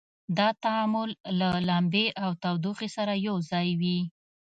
دا تعامل له لمبې او تودوخې سره یو ځای وي.